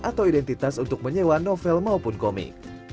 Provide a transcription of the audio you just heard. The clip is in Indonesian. atau identitas untuk menyewa novel maupun komik